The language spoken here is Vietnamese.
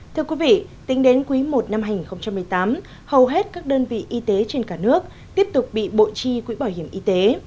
thưa quý vị tính đến quý i năm hai nghìn một mươi tám hầu hết các đơn vị y tế trên cả nước tiếp tục bị bộ chi quỹ bảo hiểm y tế